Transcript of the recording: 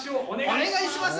お願いします！